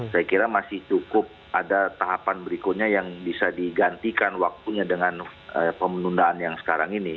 saya kira masih cukup ada tahapan berikutnya yang bisa digantikan waktunya dengan pemenundaan yang sekarang ini